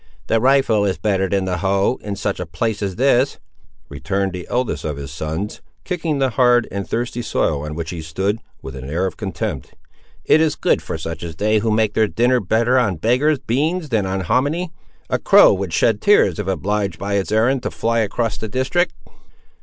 "The rifle is better than the hoe, in such a place as this," returned the eldest of his sons, kicking the hard and thirsty soil on which he stood, with an air of contempt. "It is good for such as they who make their dinner better on beggars' beans than on homminy. A crow would shed tears if obliged by its errand to fly across the district."